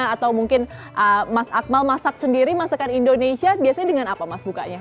atau mungkin mas akmal masak sendiri masakan indonesia biasanya dengan apa mas bukanya